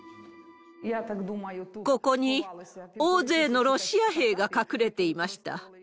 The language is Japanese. ここに大勢のロシア兵が隠れていました。